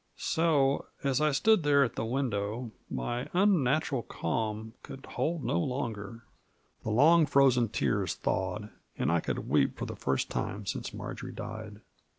So, as I stood there at the window, my unnatm^l calm could hold out no longer; the long frozen tears thawed, and I could weep for the first time since Mar jory died.